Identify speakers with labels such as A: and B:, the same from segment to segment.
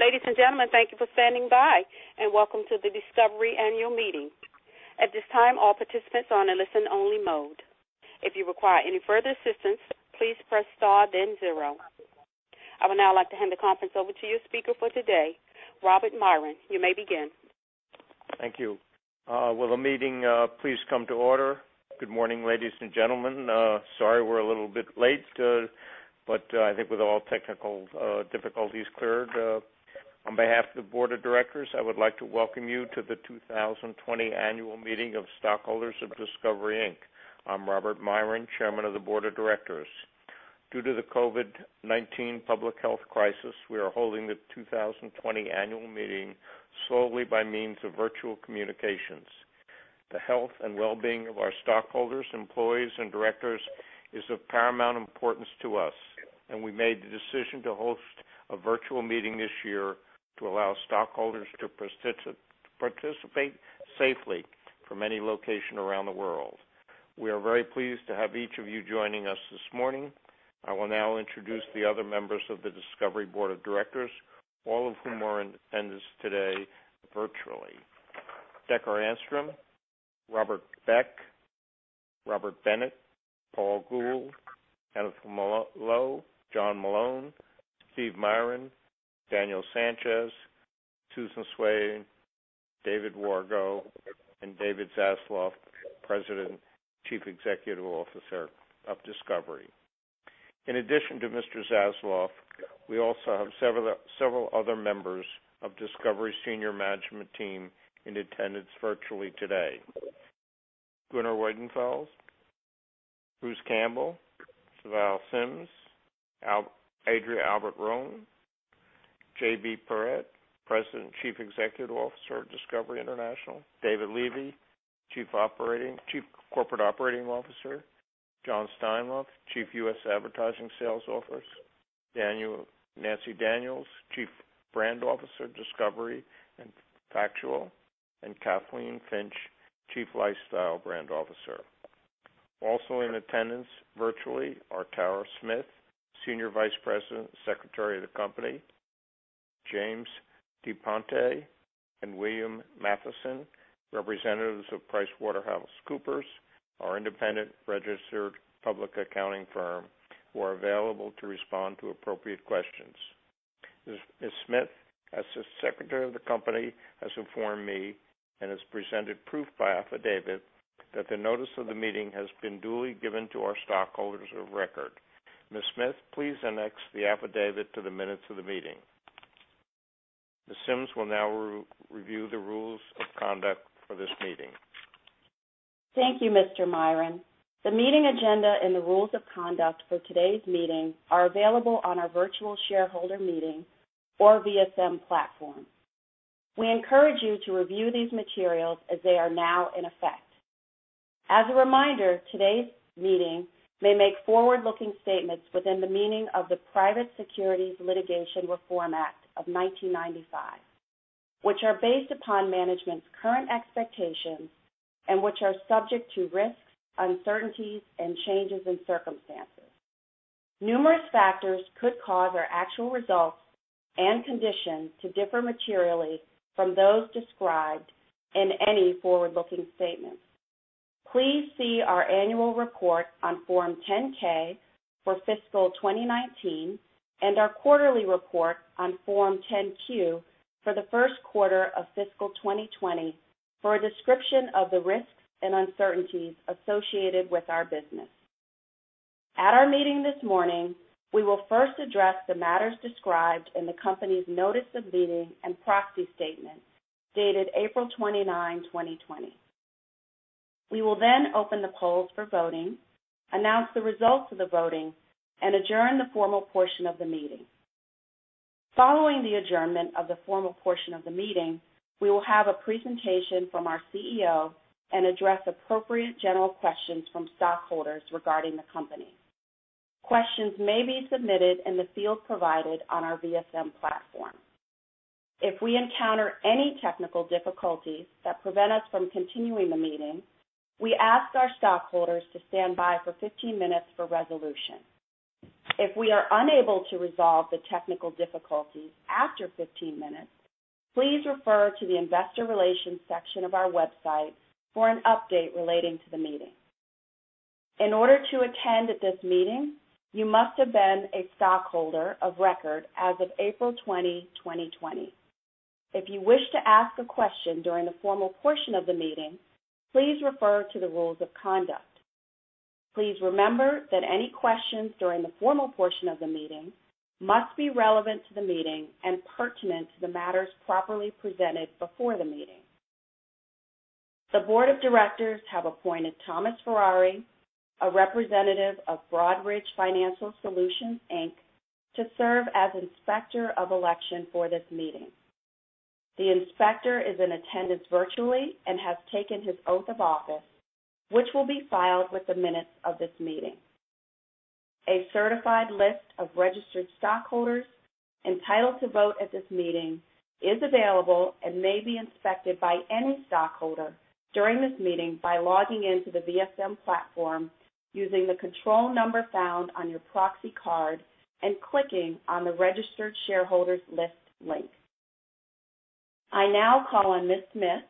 A: Ladies and gentlemen, thank you for standing by. Welcome to the Discovery annual meeting. At this time, all participants are in listen-only mode. If you require any further assistance, please press star then zero. I would now like to hand the conference over to your speaker for today, Robert Miron. You may begin.
B: Thank you. Will the meeting please come to order? Good morning, ladies and gentlemen. Sorry, we're a little bit late. I think with all technical difficulties cleared, on behalf of the board of directors, I would like to welcome you to the 2020 annual meeting of stockholders of Discovery, Inc. I'm Robert Miron, chairman of the board of directors. Due to the COVID-19 public health crisis, we are holding the 2020 annual meeting solely by means of virtual communications. The health and wellbeing of our stockholders, employees, and directors is of paramount importance to us, and we made the decision to host a virtual meeting this year to allow stockholders to participate safely from any location around the world. We are very pleased to have each of you joining us this morning. I will now introduce the other members of the Discovery board of directors, all of whom are in attendance today virtually. Decker Anstrom, Robert Beck, Robert Bennett, Paul Gould, Anne Lowe, John Malone, Steve Miron, Daniel Sanchez, Susan Swain, David Wargo, and David Zaslav, President and Chief Executive Officer of Discovery, Inc. In addition to Mr. Zaslav, we also have several other members of Discovery senior management team in attendance virtually today. Gunnar Wiedenfels, Bruce Campbell, Savalle Sims, Adria Alpert Romm, JB Perrette, President and Chief Executive Officer of Discovery Networks International, David Leavy, Chief Corporate Operating Officer, Jon Steinlauf, Chief U.S. Advertising Sales Officer, Nancy Daniels, Chief Brand Officer, Discovery and Factual, and Kathleen Finch, Chief Lifestyle Brands Officer. Also in attendance virtually are Tara Smith, Senior Vice President Secretary of the company, James Di Ponte, and William Matheson, representatives of PricewaterhouseCoopers, our independent registered public accounting firm, who are available to respond to appropriate questions. Ms. Smith, as the secretary of the company, has informed me and has presented proof by affidavit that the notice of the meeting has been duly given to our stockholders of record. Ms. Smith, please annex the affidavit to the minutes of the meeting. Ms. Sims will now review the rules of conduct for this meeting.
C: Thank you, Mr. Miron. The meeting agenda and the rules of conduct for today's meeting are available on our virtual shareholder meeting or VSM platform. We encourage you to review these materials as they are now in effect. As a reminder, today's meeting may make forward-looking statements within the meaning of the Private Securities Litigation Reform Act of 1995, which are based upon management's current expectations and which are subject to risks, uncertainties, and changes in circumstances. Numerous factors could cause our actual results and conditions to differ materially from those described in any forward-looking statement. Please see our annual report on Form 10-K for fiscal 2019 and our quarterly report on Form 10-Q for the first quarter of fiscal 2020 for a description of the risks and uncertainties associated with our business.
A: At our meeting this morning, we will first address the matters described in the company's notice of meeting and proxy statement, dated April 29, 2020. We will then open the polls for voting, announce the results of the voting, and adjourn the formal portion of the meeting. Following the adjournment of the formal portion of the meeting, we will have a presentation from our CEO and address appropriate general questions from stockholders regarding the company. Questions may be submitted in the field provided on our VSM platform. If we encounter any technical difficulties that prevent us from continuing the meeting, we ask our stockholders to stand by for 15 minutes for resolution. If we are unable to resolve the technical difficulties after 15 minutes, please refer to the investor relations section of our website for an update relating to the meeting. In order to attend this meeting, you must have been a stockholder of record as of April 20, 2020. If you wish to ask a question during the formal portion of the meeting, please refer to the rules of conduct. Please remember that any questions during the formal portion of the meeting must be relevant to the meeting and pertinent to the matters properly presented before the meeting. The board of directors have appointed Thomas Ferrari, a representative of Broadridge Financial Solutions, Inc., to serve as Inspector of Election for this meeting. The inspector is in attendance virtually and has taken his oath of office, which will be filed with the minutes of this meeting. A certified list of registered stockholders entitled to vote at this meeting is available and may be inspected by any stockholder during this meeting by logging into the VSM platform using the control number found on your proxy card and clicking on the Registered Shareholders List link. I now call on Ms. Smith,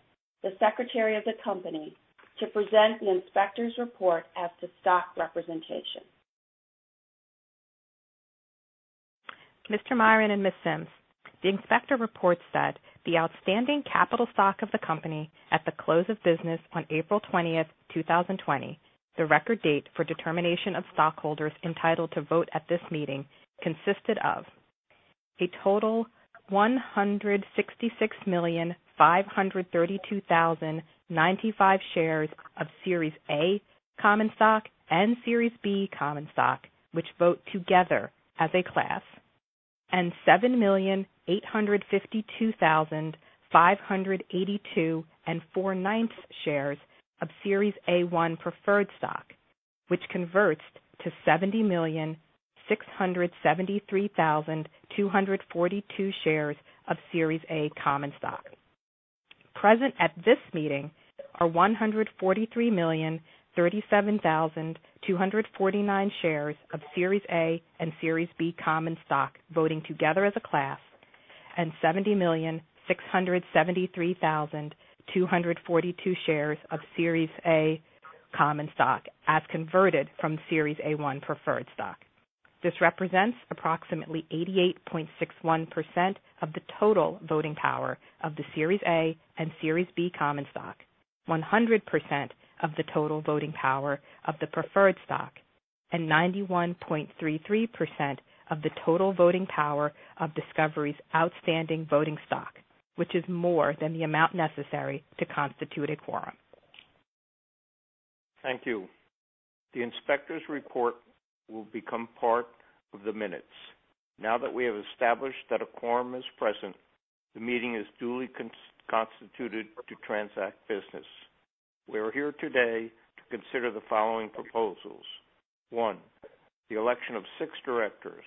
A: the secretary of the company, to present the inspector's report as to stock representation.
D: Mr. Miron and Ms. Sims, the inspector report said the outstanding capital stock of the company at the close of business on April 20th, 2020, the record date for determination of stockholders entitled to vote at this meeting consisted of a total 166,532,095 shares of Series A common stock and Series B common stock, which vote together as a class, and 7,852,582 and four-ninths shares of Series A1 preferred stock, which converts to 70,673,242 shares of Series A common stock. Present at this meeting are 143,037,249 shares of Series A and Series B common stock voting together as a class, and 70,673,242 shares of Series A common stock, as converted from Series A1 preferred stock. This represents approximately 88.61% of the total voting power of the Series A and Series B common stock, 100% of the total voting power of the preferred stock, and 91.33% of the total voting power of Discovery's outstanding voting stock, which is more than the amount necessary to constitute a quorum.
B: Thank you. The inspector's report will become part of the minutes. Now that we have established that a quorum is present, the meeting is duly constituted to transact business. We are here today to consider the following proposals. One, the election of six directors,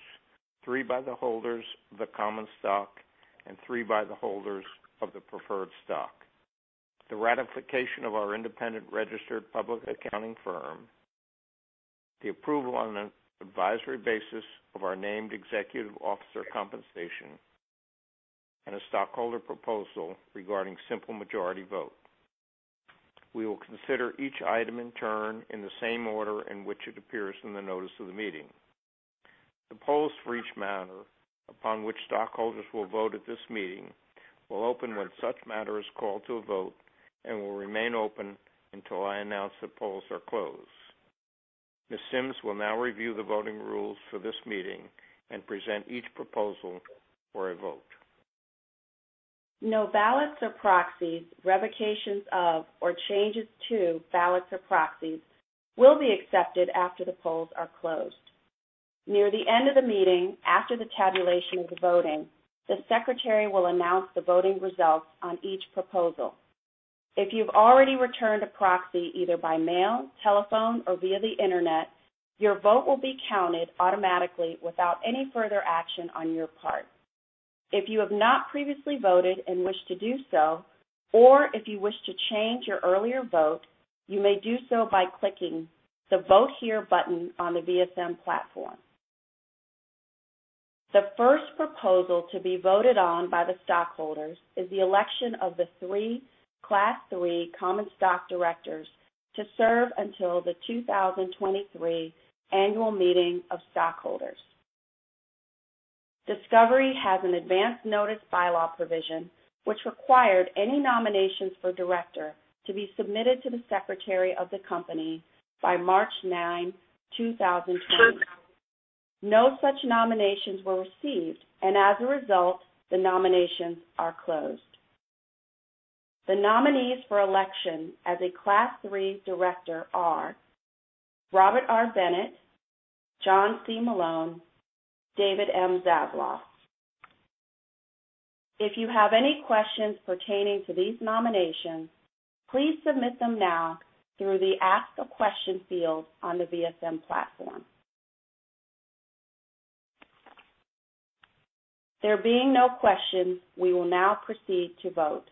B: three by the holders of the common stock and three by the holders of the preferred stock. The ratification of our independent registered public accounting firm, the approval on an advisory basis of our named executive officer compensation, and a stockholder proposal regarding simple majority vote. We will consider each item in turn in the same order in which it appears in the notice of the meeting. The polls for each matter, upon which stockholders will vote at this meeting, will open when such matter is called to a vote and will remain open until I announce that polls are closed. Ms. Sims will now review the voting rules for this meeting and present each proposal for a vote.
C: No ballots or proxies, revocations of, or changes to ballots or proxies will be accepted after the polls are closed. Near the end of the meeting, after the tabulation of the voting, the Secretary will announce the voting results on each proposal. If you've already returned a proxy, either by mail, telephone, or via the Internet, your vote will be counted automatically without any further action on your part. If you have not previously voted and wish to do so, or if you wish to change your earlier vote, you may do so by clicking the Vote Here button on the VSM platform. The first proposal to be voted on by the stockholders is the election of the three class 3 common stock directors to serve until the 2023 annual meeting of stockholders. Discovery has an advanced notice bylaw provision, which required any nominations for director to be submitted to the Secretary of the company by March 9, 2020. No such nominations were received, as a result, the nominations are closed. The nominees for election as a class 3 director are Robert R. Bennett, John C. Malone, David M. Zaslav. If you have any questions pertaining to these nominations, please submit them now through the Ask a Question field on the VSM platform. There being no questions, we will now proceed to vote.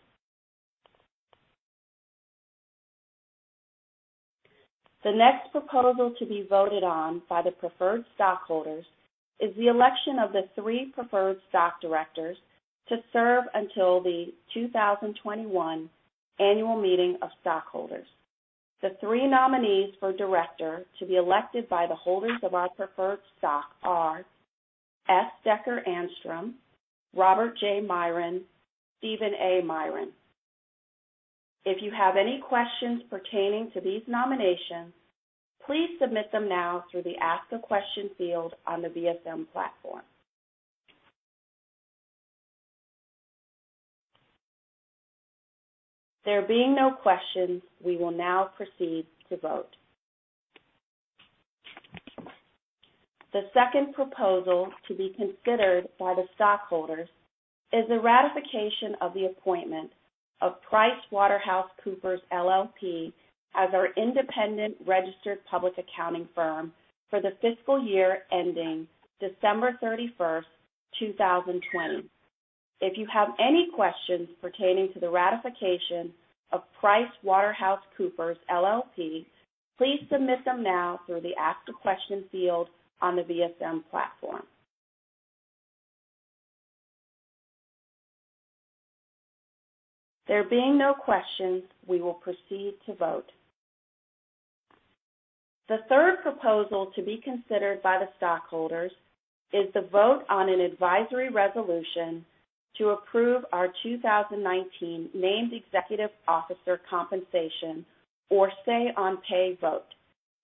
C: The next proposal to be voted on by the preferred stockholders is the election of the three preferred stock directors to serve until the 2021 annual meeting of stockholders. The three nominees for director to be elected by the holders of our preferred stock are S. Decker Anstrom, Robert J. Miron, Steven A. Miron. If you have any questions pertaining to these nominations, please submit them now through the Ask a Question field on the VSM platform. There being no questions, we will now proceed to vote. The second proposal to be considered by the stockholders is the ratification of the appointment of PricewaterhouseCoopers LLP as our independent registered public accounting firm for the fiscal year ending December 31st, 2020. If you have any questions pertaining to the ratification of PricewaterhouseCoopers LLP, please submit them now through the Ask a Question field on the VSM platform. There being no questions, we will proceed to vote. The third proposal to be considered by the stockholders is the vote on an advisory resolution to approve our 2019 named executive officer compensation or Say-on-Pay vote.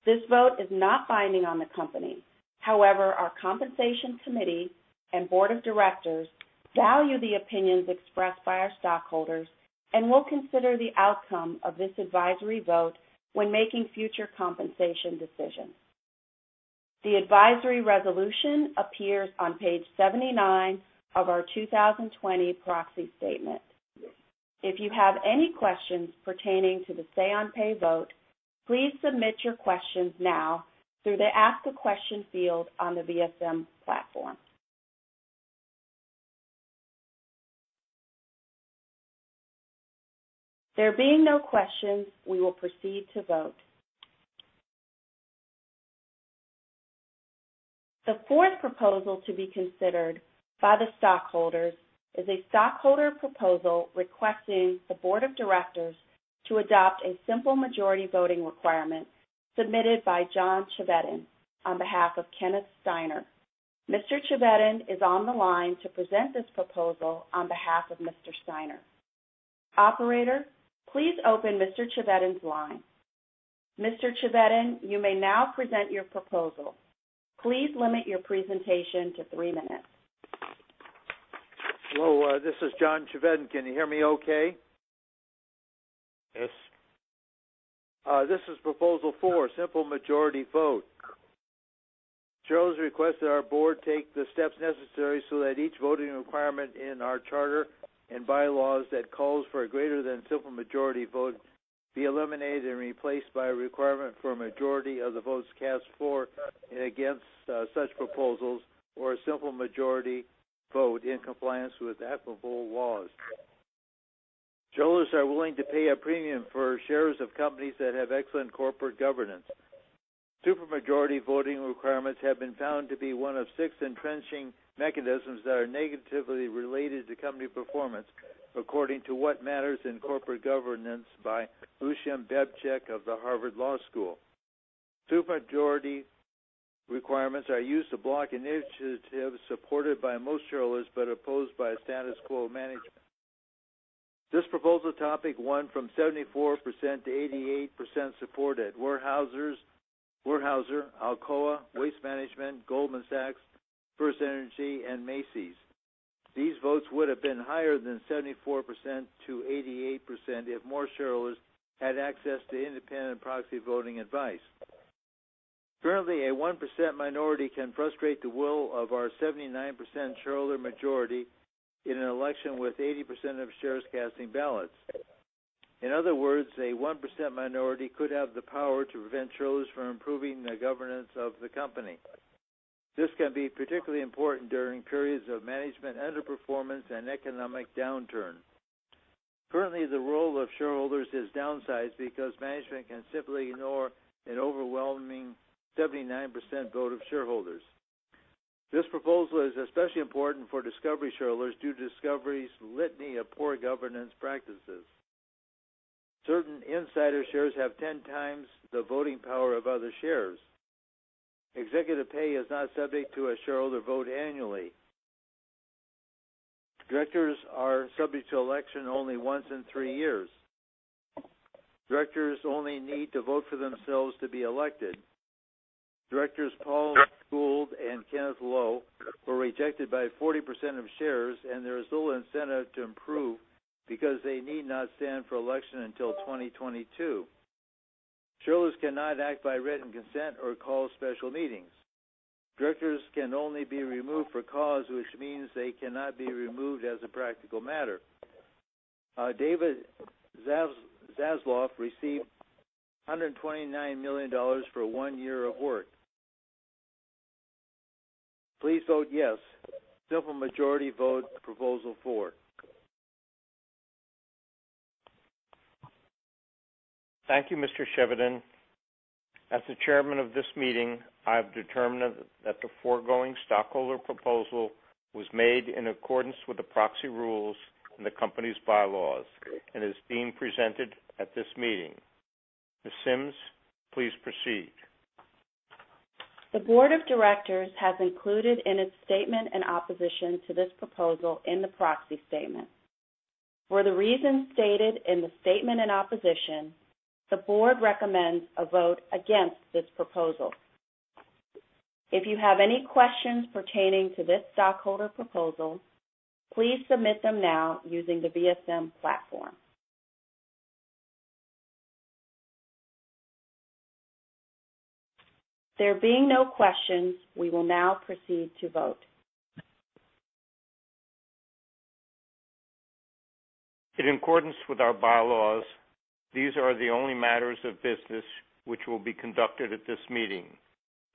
C: This vote is not binding on the company. However, our compensation committee and board of directors value the opinions expressed by our stockholders and will consider the outcome of this advisory vote when making future compensation decisions. The advisory resolution appears on page 79 of our 2020 proxy statement. If you have any questions pertaining to the Say-on-Pay vote, please submit your questions now through the Ask a Question field on the VSM platform. There being no questions, we will proceed to vote. The fourth proposal to be considered by the stockholders is a stockholder proposal requesting the board of directors to adopt a simple majority voting requirement submitted by John Chevedden on behalf of Kenneth Steiner. Mr. Chevedden is on the line to present this proposal on behalf of Mr. Steiner. Operator, please open Mr. Chevedden's line. Mr. Chevedden, you may now present your proposal. Please limit your presentation to three minutes.
E: Hello, this is John Chevedden. Can you hear me okay?
B: Yes.
E: This is proposal four, simple majority vote. Shareholders request that our board take the steps necessary so that each voting requirement in our charter and bylaws that calls for a greater than simple majority vote be eliminated and replaced by a requirement for a majority of the votes cast for and against such proposals, or a simple majority vote in compliance with applicable laws. Shareholders are willing to pay a premium for shares of companies that have excellent corporate governance. Super majority voting requirements have been found to be one of six entrenching mechanisms that are negatively related to company performance, according to What Matters in Corporate Governance by Lucian Bebchuk of the Harvard Law School. Super majority requirements are used to block initiatives supported by most shareholders but opposed by status quo management. This proposal topic won from 74%-88% support at Weyerhaeuser, Alcoa, Waste Management, Goldman Sachs, FirstEnergy, and Macy's. These votes would have been higher than 74%-88% if more shareholders had access to independent proxy voting advice. Currently, a 1% minority can frustrate the will of our 79% shareholder majority in an election with 80% of shares casting ballots. In other words, a 1% minority could have the power to prevent shareholders from improving the governance of the company. This can be particularly important during periods of management underperformance and economic downturn. Currently, the role of shareholders is downsized because management can simply ignore an overwhelming 79% vote of shareholders. This proposal is especially important for Discovery shareholders due to Discovery's litany of poor governance practices. Certain insider shares have 10 times the voting power of other shares. Executive pay is not subject to a shareholder vote annually. Directors are subject to election only once in three years. Directors only need to vote for themselves to be elected. Directors Paul Gould and Kenneth Lowe were rejected by 40% of shares. There is little incentive to improve because they need not stand for election until 2022. Shareholders cannot act by written consent or call special meetings. Directors can only be removed for cause, which means they cannot be removed as a practical matter. David Zaslav received $129 million for one year of work. Please vote yes. Simple majority vote proposal four.
B: Thank you, Mr. Chevedden. As the chairman of this meeting, I have determined that the foregoing stockholder proposal was made in accordance with the proxy rules and the company's bylaws and is being presented at this meeting. Ms. Sims, please proceed.
C: The board of directors has included in its statement an opposition to this proposal in the proxy statement. For the reasons stated in the statement in opposition, the board recommends a vote against this proposal. If you have any questions pertaining to this stockholder proposal, please submit them now using the VSM platform. There being no questions, we will now proceed to vote.
B: In accordance with our bylaws, these are the only matters of business which will be conducted at this meeting.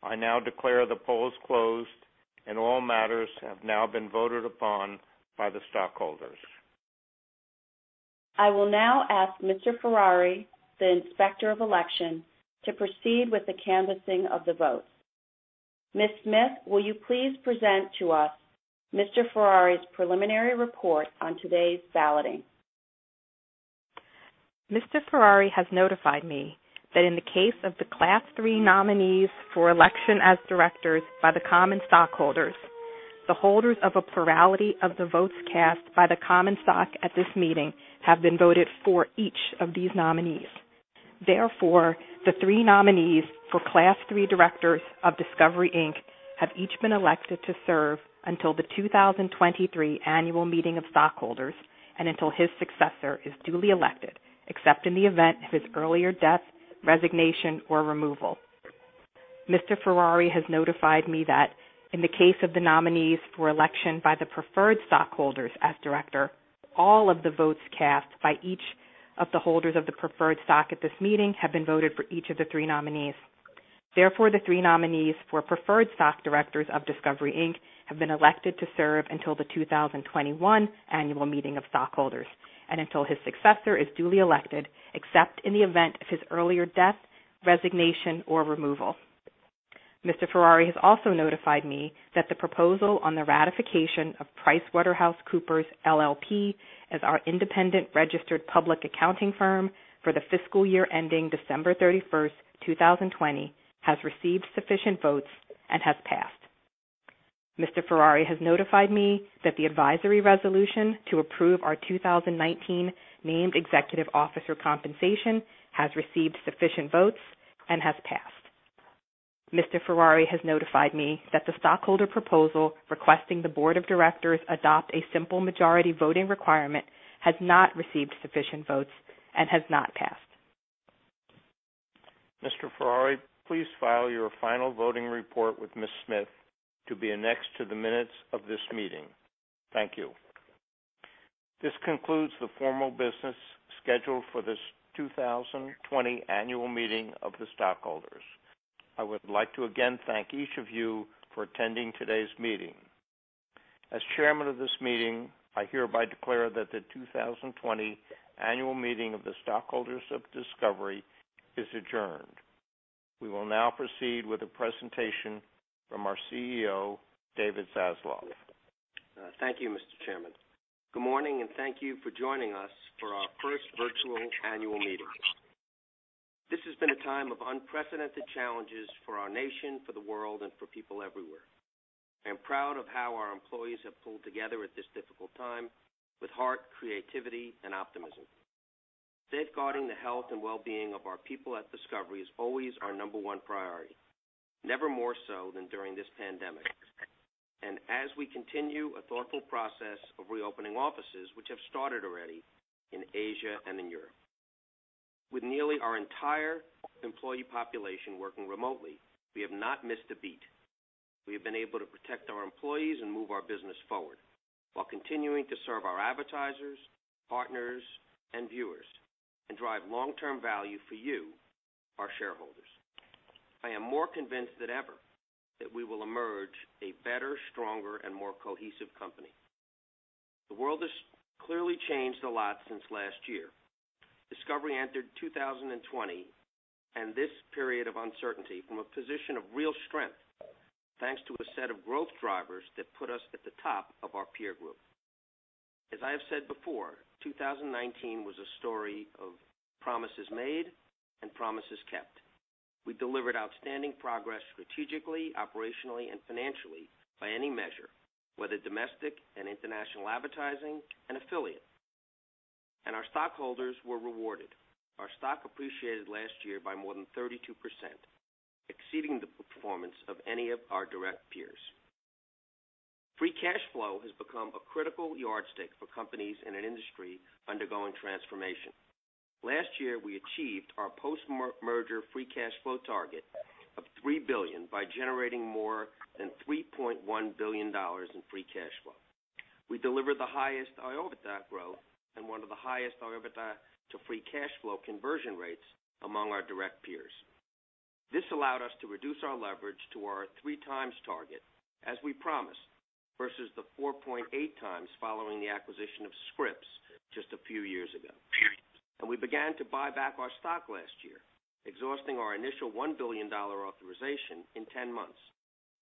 B: I now declare the polls closed, and all matters have now been voted upon by the stockholders. I will now ask Mr. Ferrari, the Inspector of Election, to proceed with the canvassing of the votes. Ms. Smith, will you please present to us Mr. Ferrari's preliminary report on today's balloting?
D: Mr. Ferrari has notified me that in the case of the class 3 nominees for election as directors by the common stockholders, the holders of a plurality of the votes cast by the common stock at this meeting have been voted for each of these nominees. Therefore, the three nominees for class 3 directors of Discovery, Inc. have each been elected to serve until the 2023 annual meeting of stockholders and until his successor is duly elected, except in the event of his earlier death, resignation, or removal. Mr. Ferrari has notified me that in the case of the nominees for election by the preferred stockholders as directors, all of the votes cast by each of the holders of the preferred stock at this meeting have been voted for each of the three nominees. Therefore, the three nominees for preferred stock directors of Discovery, Inc. have been elected to serve until the 2021 annual meeting of stockholders and until his successor is duly elected, except in the event of his earlier death, resignation, or removal. Mr. Ferrari has also notified me that the proposal on the ratification of PricewaterhouseCoopers LLP as our independent registered public accounting firm for the fiscal year ending December 31, 2020, has received sufficient votes and has passed. Mr. Ferrari has notified me that the advisory resolution to approve our 2019 named executive officer compensation has received sufficient votes and has passed. Mr. Ferrari has notified me that the stockholder proposal requesting the board of directors adopt a simple majority voting requirement has not received sufficient votes and has not passed.
B: Mr. Ferrari, please file your final voting report with Ms. Smith to be annexed to the minutes of this meeting. Thank you. This concludes the formal business scheduled for this 2020 annual meeting of the stockholders. I would like to again thank each of you for attending today's meeting. As chairman of this meeting, I hereby declare that the 2020 annual meeting of the stockholders of Discovery is adjourned. We will now proceed with a presentation from our CEO, David Zaslav.
F: Thank you, Mr. Chairman. Good morning. Thank you for joining us for our first virtual annual meeting. This has been a time of unprecedented challenges for our nation, for the world, and for people everywhere. I am proud of how our employees have pulled together at this difficult time with heart, creativity, and optimism. Safeguarding the health and wellbeing of our people at Discovery is always our number 1 priority, never more so than during this pandemic, and as we continue a thoughtful process of reopening offices, which have started already in Asia and Europe. With nearly our entire employee population working remotely, we have not missed a beat. We have been able to protect our employees and move our business forward while continuing to serve our advertisers, partners, and viewers and drive long-term value for you, our shareholders. I am more convinced than ever that we will emerge a better, stronger, and more cohesive company. The world has clearly changed a lot since last year. Discovery entered 2020 and this period of uncertainty from a position of real strength, thanks to a set of growth drivers that put us at the top of our peer group. As I have said before, 2019 was a story of promises made and promises kept. We delivered outstanding progress strategically, operationally, and financially by any measure, whether domestic and international advertising and affiliate. Our stockholders were rewarded. Our stock appreciated last year by more than 32%, exceeding the performance of any of our direct peers. Free cash flow has become a critical yardstick for companies in an industry undergoing transformation. Last year, we achieved our post-merger free cash flow target of $3 billion by generating more than $3.1 billion in free cash flow. We delivered the highest OIBDA growth and one of the highest OIBDA to free cash flow conversion rates among our direct peers. This allowed us to reduce our leverage to our 3 times target, as we promised, versus the 4.8 times following the acquisition of Scripps just a few years ago. We began to buy back our stock last year, exhausting our initial $1 billion authorization in 10 months,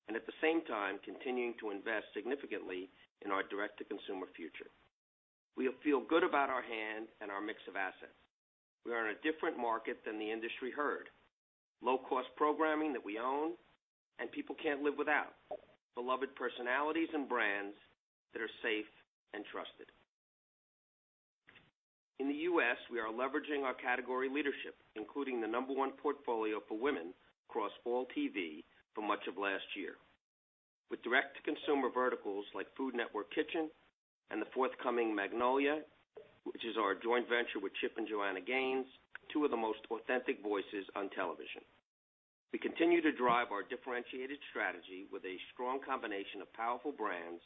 F: and at the same time continuing to invest significantly in our direct-to-consumer future. We feel good about our hand and our mix of assets. We are in a different market than the industry herd. Low-cost programming that we own and people can't live without. Beloved personalities and brands that are safe and trusted. In the U.S., we are leveraging our category leadership, including the number 1 portfolio for women across all TV for much of last year with direct-to-consumer verticals like Food Network Kitchen and the forthcoming Magnolia, which is our joint venture with Chip and Joanna Gaines, two of the most authentic voices on television. We continue to drive our differentiated strategy with a strong combination of powerful brands,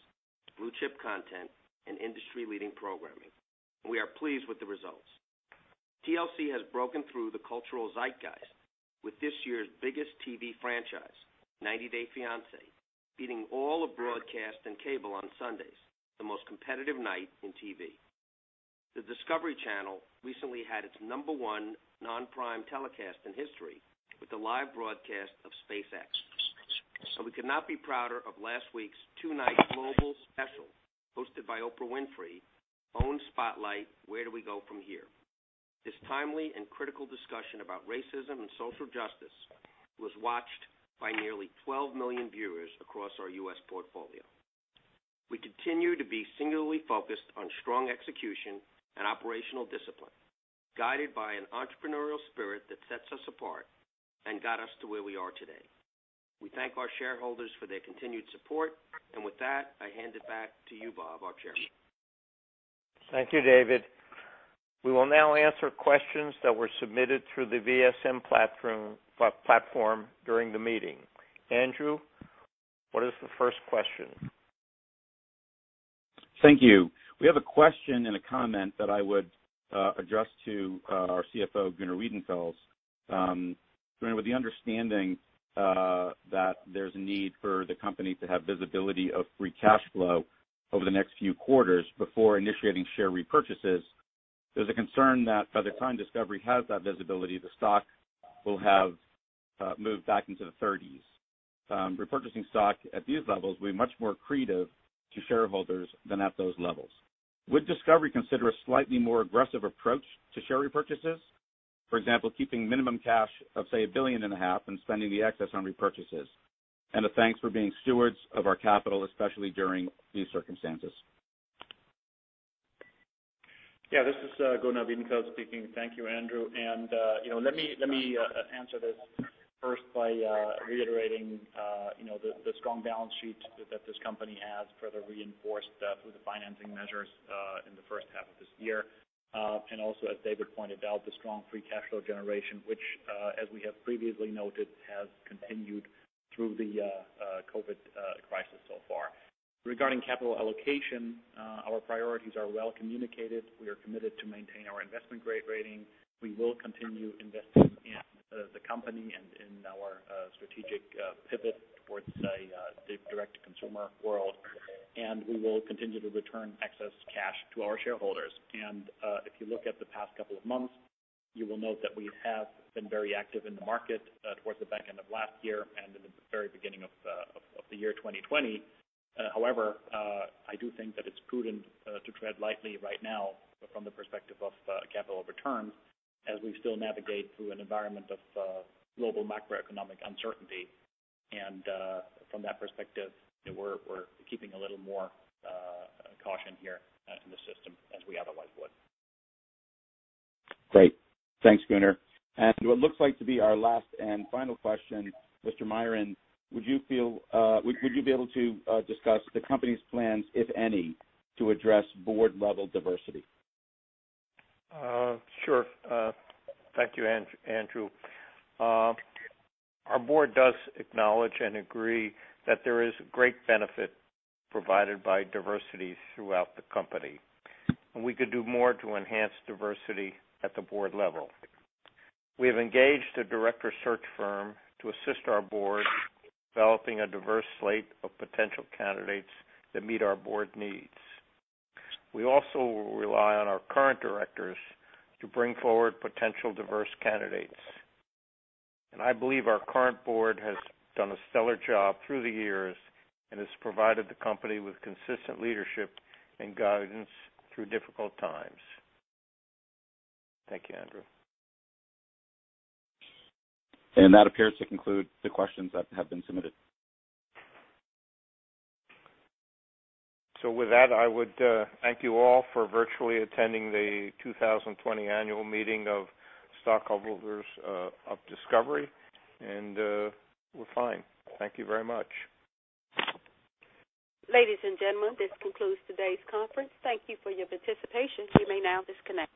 F: blue-chip content, and industry-leading programming. We are pleased with the results. TLC has broken through the cultural zeitgeist with this year's biggest TV franchise, "90 Day Fiancé," beating all of broadcast and cable on Sundays, the most competitive night in TV. The Discovery Channel recently had its number 1 non-prime telecast in history with the live broadcast of SpaceX. We could not be prouder of last week's two-night global special hosted by Oprah Winfrey, OWN Spotlight: Where Do We Go From Here? This timely and critical discussion about racism and social justice was watched by nearly 12 million viewers across our U.S. portfolio. We continue to be singularly focused on strong execution and operational discipline, guided by an entrepreneurial spirit that sets us apart and got us to where we are today. We thank our shareholders for their continued support. With that, I hand it back to you, Bob, our chairman.
B: Thank you, David. We will now answer questions that were submitted through the VSM platform during the meeting. Andrew, what is the first question?
G: Thank you. We have a question and a comment that I would address to our CFO, Gunnar Wiedenfels. Gunnar, with the understanding that there's a need for the company to have visibility of free cash flow over the next few quarters before initiating share repurchases, there's a concern that by the time Discovery has that visibility, the stock will have moved back into the 30s. Repurchasing stock at these levels will be much more accretive to shareholders than at those levels. Would Discovery consider a slightly more aggressive approach to share repurchases? For example, keeping minimum cash of, say, $1.5 billion and spending the excess on repurchases. A thanks for being stewards of our capital, especially during these circumstances.
H: This is Gunnar Wiedenfels speaking. Thank you, Andrew. Let me answer this first by reiterating the strong balance sheet that this company has further reinforced through the financing measures in the first half of this year. Also, as David pointed out, the strong free cash flow generation, which, as we have previously noted, has continued through the COVID crisis so far. Regarding capital allocation, our priorities are well communicated. We are committed to maintain our investment-grade rating. We will continue investing in the company and in our strategic pivot towards the direct-to-consumer world, we will continue to return excess cash to our shareholders. If you look at the past couple of months, you will note that we have been very active in the market towards the back end of last year and in the very beginning of the year 2020. However, I do think that it's prudent to tread lightly right now from the perspective of capital returns as we still navigate through an environment of global macroeconomic uncertainty. From that perspective, we're keeping a little more caution here in the system as we otherwise would.
G: Great. Thanks, Gunnar. What looks like to be our last and final question, Mr. Miron, would you be able to discuss the company's plans, if any, to address board level diversity?
B: Sure. Thank you, Andrew. Our board does acknowledge and agree that there is great benefit provided by diversity throughout the company, and we could do more to enhance diversity at the board level. We have engaged a director search firm to assist our board in developing a diverse slate of potential candidates that meet our board needs. We also rely on our current directors to bring forward potential diverse candidates, and I believe our current board has done a stellar job through the years and has provided the company with consistent leadership and guidance through difficult times. Thank you, Andrew.
G: That appears to conclude the questions that have been submitted.
B: With that, I would thank you all for virtually attending the 2020 annual meeting of stockholders of Discovery, and we're fine. Thank you very much.
A: Ladies and gentlemen, this concludes today's conference. Thank you for your participation. You may now disconnect.